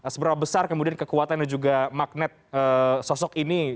seberapa besar kemudian kekuatan dan juga magnet sosok ini